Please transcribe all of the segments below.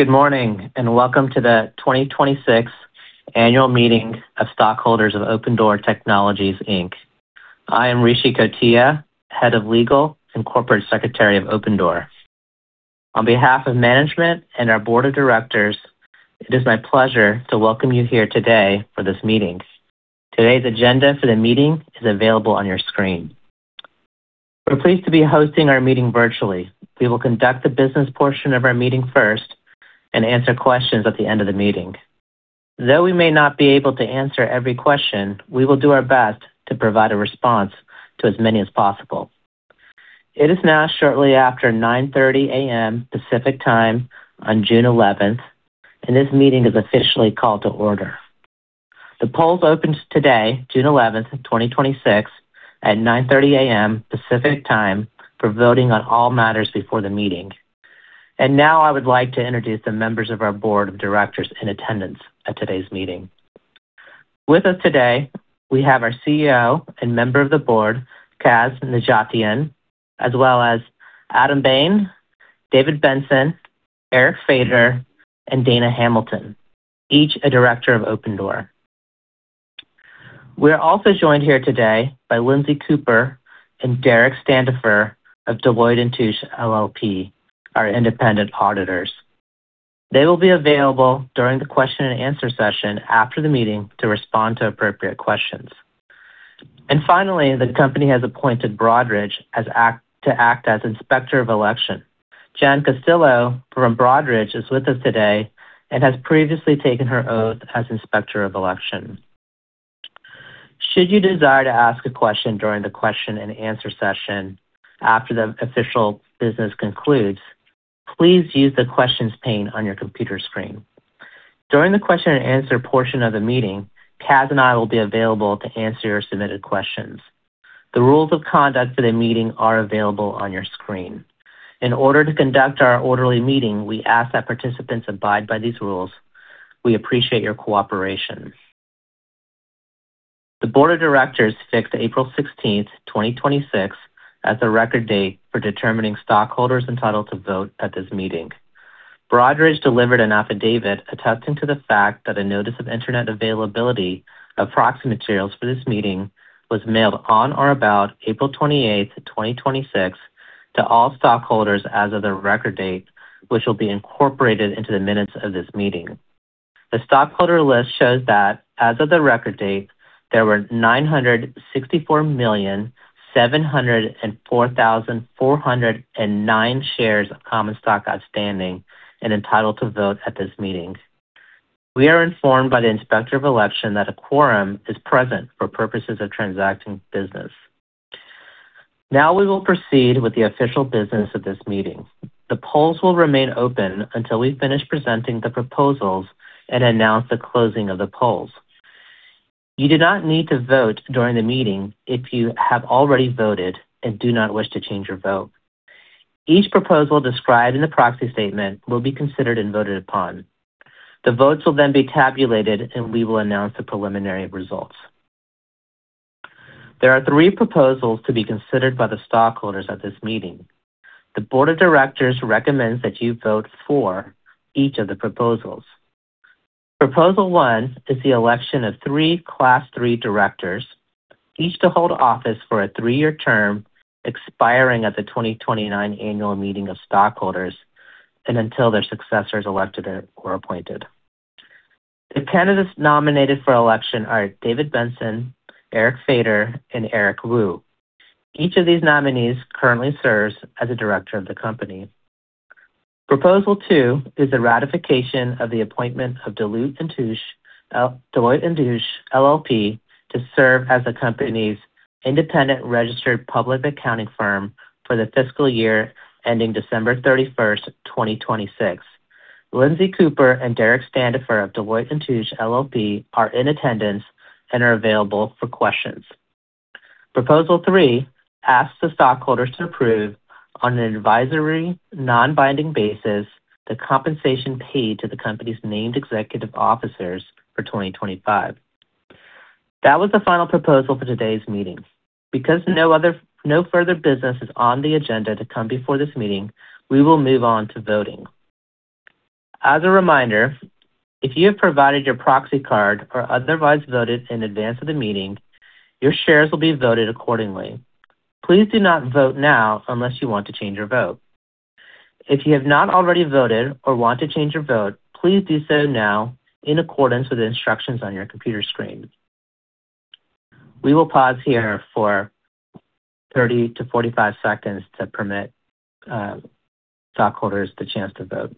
Good morning, and welcome to the 2026 annual meeting of stockholders of Opendoor Technologies Inc. I am Rishi Kotiya, Head of Legal and Corporate Secretary of Opendoor Technologies. On behalf of management and our Board of Directors, it is my pleasure to welcome you here today for this meeting. Today's agenda for the meeting is available on your screen. We are pleased to be hosting our meeting virtually. We will conduct the business portion of our meeting first and answer questions at the end of the meeting. Though we may not be able to answer every question, we will do our best to provide a response to as many as possible. It is now shortly after 9:30 A.M. Pacific Time on June 11th 2026, this meeting is officially called to order. The polls opened today, June 11th, 2026, at 9:30 A.M. Pacific Time for voting on all matters before the meeting. Now I would like to introduce the members of our Board of Directors in attendance at today's meeting. With us today, we have our CEO and member of the board, Kasra Nejatian, as well as Adam Bain, David Benson, Eric Feder, and Dana Hamilton, each a director of Opendoor Technologies. We are also joined here today by Lindsey Cooper and Derek Standifer of Deloitte & Touche LLP, our independent auditors. They will be available during the question and answer session after the meeting to respond to appropriate questions. Finally, the company has appointed Broadridge to act as Inspector of Election. [Jan Castillo] from Broadridge is with us today and has previously taken her oath as Inspector of Election. Should you desire to ask a question during the question and answer session after the official business concludes, please use the questions pane on your computer screen. During the question and answer portion of the meeting, Kasra and I will be available to answer your submitted questions. The rules of conduct for the meeting are available on your screen. In order to conduct our orderly meeting, we ask that participants abide by these rules. We appreciate your cooperation. The Board of Directors fixed April 16th, 2026, as the record date for determining stockholders entitled to vote at this meeting. Broadridge delivered an affidavit attesting to the fact that a notice of internet availability of proxy materials for this meeting was mailed on or about April 28th, 2026, to all stockholders as of the record date, which will be incorporated into the minutes of this meeting. The stockholder list shows that as of the record date, there were 964,704,409 shares of common stock outstanding and entitled to vote at this meeting. We are informed by the Inspector of Election that a quorum is present for purposes of transacting business. Now we will proceed with the official business of this meeting. The polls will remain open until we finish presenting the proposals and announce the closing of the polls. You do not need to vote during the meeting if you have already voted and do not wish to change your vote. Each proposal described in the proxy statement will be considered and voted upon. The votes will then be tabulated, we will announce the preliminary results. There are three proposals to be considered by the stockholders at this meeting. The board of directors recommends that you vote for each of the proposals. Proposal one is the election of three class three directors, each to hold office for a three-year term expiring at the 2029 annual meeting of stockholders and until their successors are elected or appointed. The candidates nominated for election are David Benson, Eric Feder, and Eric Wu. Each of these nominees currently serves as a director of the company. Proposal two is the ratification of the appointment of Deloitte & Touche LLP to serve as the company's independent registered public accounting firm for the fiscal year ending December 31st, 2026. Lindsey Cooper and Derek Standifer of Deloitte & Touche LLP are in attendance and are available for questions. Proposal 3 asks the stockholders to approve, on an advisory, non-binding basis, the compensation paid to the company's named executive officers for 2025. That was the final proposal for today's meeting. No further business is on the agenda to come before this meeting, we will move on to voting. As a reminder, if you have provided your proxy card or otherwise voted in advance of the meeting, your shares will be voted accordingly. Please do not vote now unless you want to change your vote. If you have not already voted or want to change your vote, please do so now in accordance with the instructions on your computer screen. We will pause here for 30 to 45 seconds to permit stockholders the chance to vote.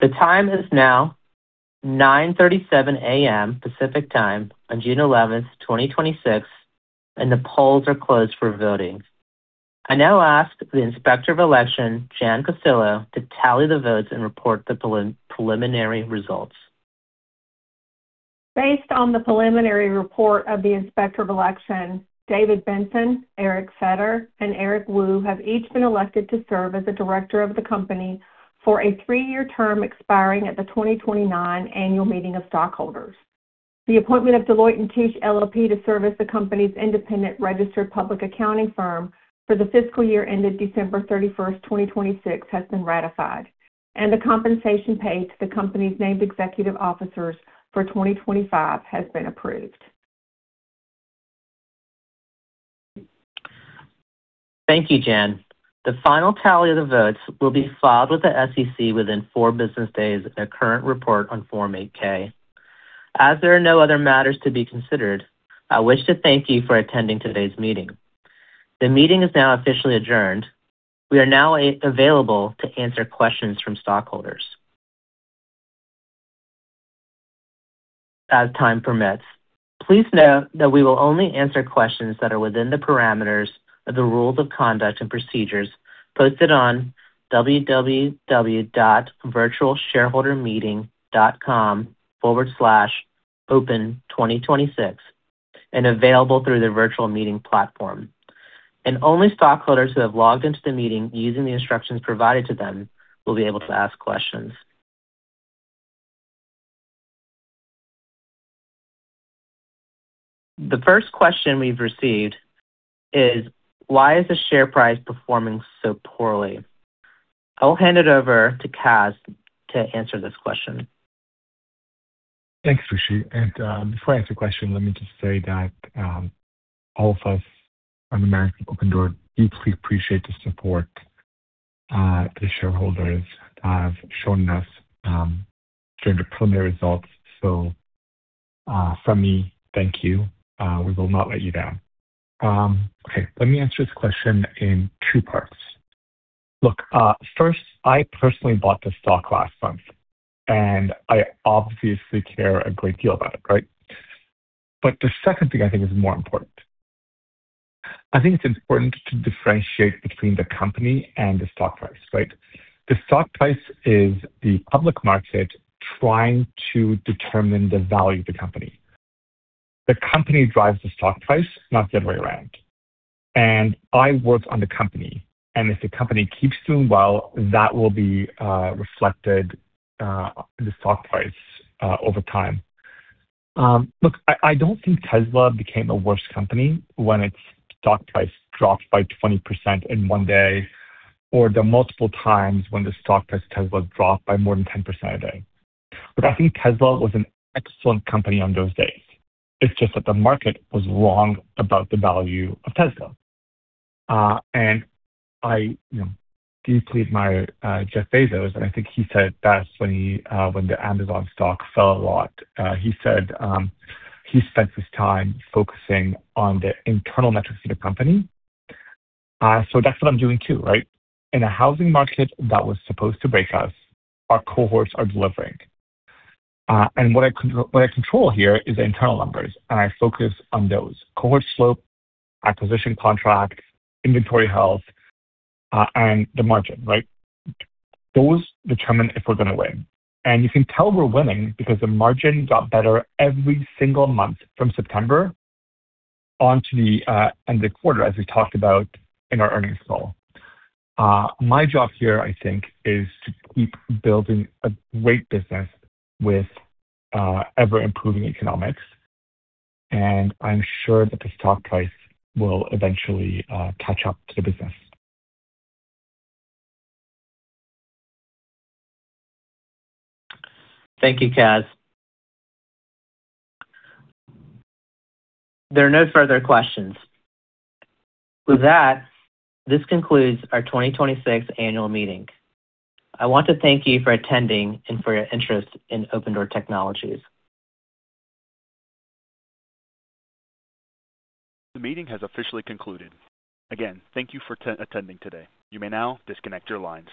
The time is now 9:37 A.M. Pacific Time on June 11th, 2026, and the polls are closed for voting. I now ask the Inspector of Election, Jan Castillo, to tally the votes and report the preliminary results. Based on the preliminary report of the Inspector of Election, David Benson, Eric Feder, and Eric Wu have each been elected to serve as a director of the company for a three-year term expiring at the 2029 annual meeting of stockholders. The appointment of Deloitte & Touche LLP to serve as the company's independent registered public accounting firm for the fiscal year ending December 31st, 2026, has been ratified, and the compensation paid to the company's named executive officers for 2025 has been approved. Thank you, Jan. The final tally of the votes will be filed with the SEC within four business days of their current report on Form 8-K. There are no other matters to be considered, I wish to thank you for attending today's meeting. The meeting is now officially adjourned. We are now available to answer questions from stockholders as time permits. Please note that we will only answer questions that are within the parameters of the rules of conduct and procedures posted on www.virtualshareholdermeeting.com/open2026 and available through the virtual meeting platform. Only stockholders who have logged into the meeting using the instructions provided to them will be able to ask questions. The first question we've received is, "Why is the share price performing so poorly?" I'll hand it over to Kasra to answer this question. Thanks, Rishi. Before I answer the question, let me just say that all of us at Opendoor Technologies deeply appreciate the support the shareholders have shown us during the preliminary results. From me, thank you. We will not let you down. Let me answer this question in two parts. First, I personally bought the stock last month, and I obviously care a great deal about it, right? The second thing I think is more important. I think it's important to differentiate between the company and the stock price, right? The stock price is the public market trying to determine the value of the company. The company drives the stock price, not the other way around. I work on the company, and if the company keeps doing well, that will be reflected in the stock price over time. I don't think Tesla became a worse company when its stock price dropped by 20% in one day, or the multiple times when the stock price of Tesla dropped by more than 10% a day. I think Tesla was an excellent company on those days. It's just that the market was wrong about the value of Tesla. I deeply admire Jeff Bezos, and I think he said it best when the Amazon stock fell a lot. He said he spends his time focusing on the internal metrics of the company. That's what I'm doing too, right? In a housing market that was supposed to break us, our cohorts are delivering. What I control here is the internal numbers, and I focus on those. Cohort slope, acquisition contract, inventory health, and the margin, right? Those determine if we're going to win. You can tell we're winning because the margin got better every single month from September onto the end of the quarter, as we talked about in our earnings call. My job here, I think, is to keep building a great business with ever-improving economics, and I'm sure that the stock price will eventually catch up to the business. Thank you, Kasra. There are no further questions. With that, this concludes our 2026 annual meeting. I want to thank you for attending and for your interest in Opendoor Technologies. The meeting has officially concluded. Again, thank you for attending today. You may now disconnect your lines.